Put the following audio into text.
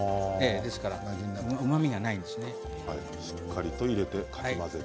ですから、うまみがないですね。